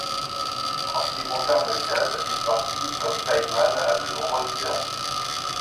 En ce qui concerne le jazz, il participe comme sideman à de nombreuses séances.